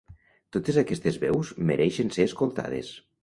Totes aquestes veus mereixen ser escoltades.